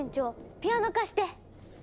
ピアノ貸して！